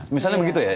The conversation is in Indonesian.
misalnya begitu ya